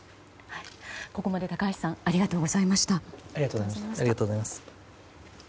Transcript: ここまで、高橋さんありがとうございました。